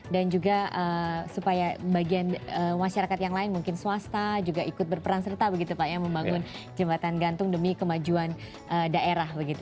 dan juga supaya bagian masyarakat yang lain mungkin swasta juga ikut berperan serta begitu pak ya membangun jembatan gantung demi kemajuan daerah begitu